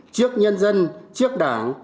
trước nhân dân trước đảng